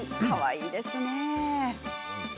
かわいいですね。